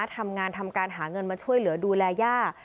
ทำงานทำการหาเงินมาช่วยเหลือดูแลย่า